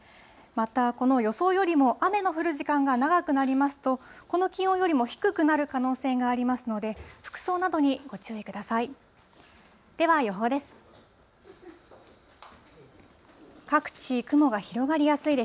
また、この予想よりも雨が降る時間が長くなりますと、この気温よりも低くなる可能性がありますので、服装などにご注意ください。